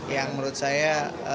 yang menurut saya